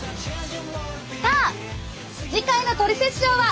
さあ次回の「トリセツショー」は！